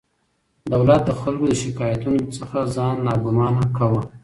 دولت د خلکو له شکایتونو څخه ځان ناګمانه کاوه.